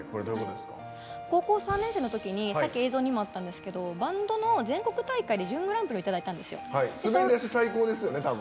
高校３年生のときにさっき映像にもあったんですけどバンドの全国大会で準グランプリをいただいたんですよ。